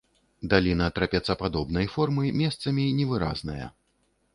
Даліна трапецападобнай формы, месцамі невыразная.